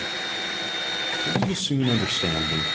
But you will soon understand me.